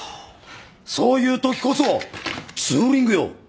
そういうときこそツーリングよ。